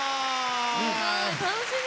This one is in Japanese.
すごい楽しみ！